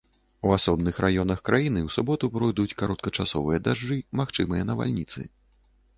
У асобных раёнах краіны ў суботу пройдуць кароткачасовыя дажджы, магчымыя навальніцы.